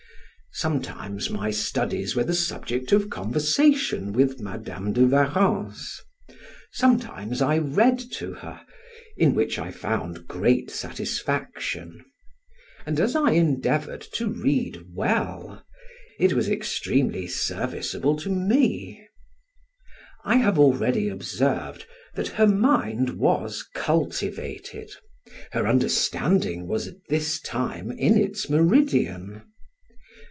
Sometimes my studies were the subject of conversation with Madam de Warrens; sometimes I read to her, in which I found great satisfaction; and as I endeavored to read well, it was extremely serviceable to me. I have already observed that her mind was cultivated; her understanding was at this time in its meridian.